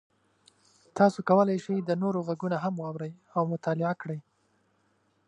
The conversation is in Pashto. تاسو کولی شئ د نورو غږونه هم واورئ او مطالعه کړئ.